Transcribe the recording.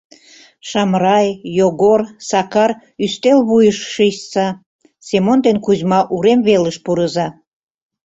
Шамрай, Йогор, Сакар, ӱстел вуйыш шичса, Семон ден Кузьма, урем велыш пурыза.